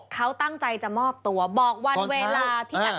เขาตั้งใจจะมอบตัวบอกวันเวลาที่ตัดกระทานที่